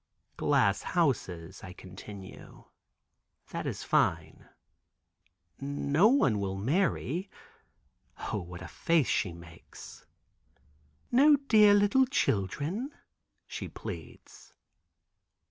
"Glass houses," I continue. "That is fine." "No one will marry." O what a face she makes. "No dear little children?" she pleads.